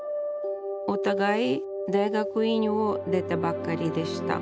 お互い大学院を出たばかりでした。